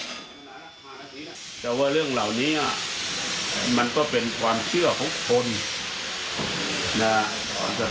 แต่ว่าเรื่องเหล่านี้มันก็เป็นความเชื่อของคนนะครับ